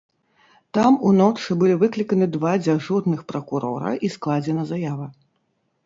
Там уночы былі выкліканы два дзяжурных пракурора і складзена заява.